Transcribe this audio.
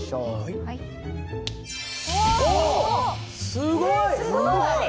すごい！えすごい！